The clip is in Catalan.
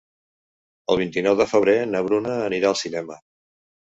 El vint-i-nou de febrer na Bruna anirà al cinema.